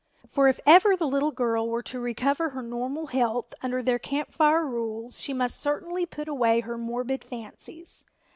For if ever the little girl were to recover her normal health under their Camp Fire rules she must certainly put away her morbid fancies.